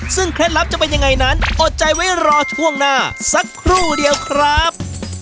ซึ่งเคล็ดลับจะเป็นยังไงนั้นอดใจไว้รอช่วงหน้าสักครู่เดียวครับ